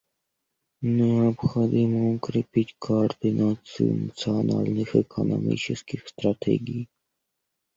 Необходимо укрепить координацию национальных экономических стратегий.